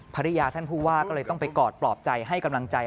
ภรรยาท่านผู้ว่าก็เลยต้องไปกอดปลอบใจให้กำลังใจ